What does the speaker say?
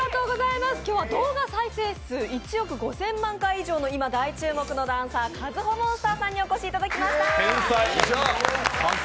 今日は動画再生数１億５０００万回以上の今大注目のダンサーＫａｚｕｈｏＭｏｎｓｔｅｒさんにお越しいただきました。